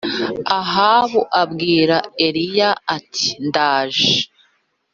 Ahabu abwira Eliya ati ndaje